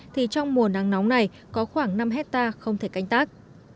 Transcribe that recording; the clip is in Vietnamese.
thì trong mùa nắng nóng này có khoảng năm hectare không thể canh tác